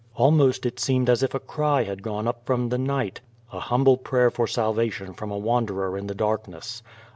Almost it seemed as if a cry had gone up from the night, an humble prayer for salvation from a wanderer in the dark ness.